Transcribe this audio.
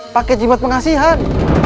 paket jimat pengasihan